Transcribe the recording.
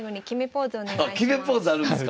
あ決めポーズあるんですか？